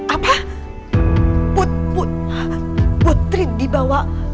apa putri dibawa